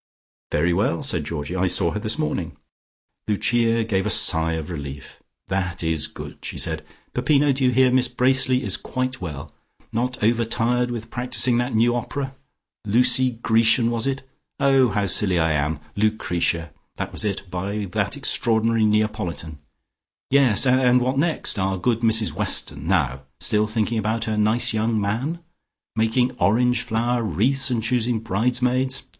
"Very well," said Georgie. "I saw her this morning." Lucia gave a sigh of relief. "That is good," she said. "Peppino, do you hear? Miss Bracely is quite well. Not overtired with practising that new opera? Lucy Grecian, was it? Oh, how silly I am! Lucretia; that was it, by that extraordinary Neapolitan. Yes. And what next? Our good Mrs Weston, now! Still thinking about her nice young man? Making orange flower wreaths, and choosing bridesmaids?